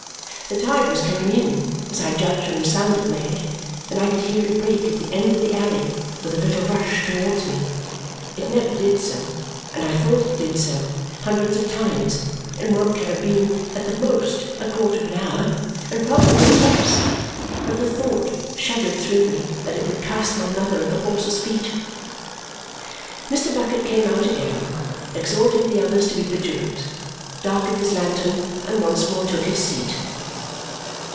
The tide was coming in, as I judged from the sound it made, and I could hear it break at the end of the alley with a little rush towards me. It never did so and I thought it did so, hundreds of times, in what can have been at the most a quarter of an hour, and probably was less but the thought shuddered through me that it would cast my mother at the horses' feet. Mr. Bucket came out again, exhorting the others to be vigilant, darkened his lantern, and once more took his seat.